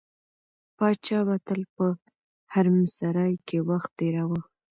پاچا به تل په حرمسرا کې وخت تېراوه.